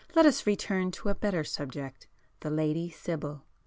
Let us return to a better subject—the Lady Sibyl.